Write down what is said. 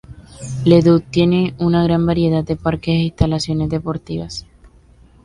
Leduc tiene una gran variedad de parques e instalaciones deportivas.